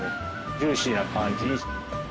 ジューシーな感じに。